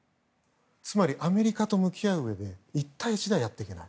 つまりアメリカと向き合ううえで１対１ではやっていけない。